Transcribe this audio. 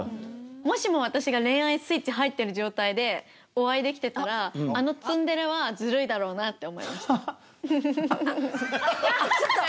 もしも私が恋愛スイッチ入ってる状態で、お会いできてたら、あのツンデレはずるいだろうなって思いました。